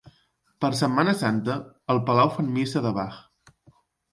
Per Setmana Santa, al Palau fan Missa de Bach.